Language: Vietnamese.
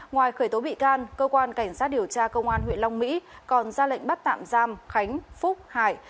ngoài khởi tố bị can cơ quan cảnh sát điều tra công an huyện long mỹ còn ra lệnh bắt tạm giam khánh phúc hải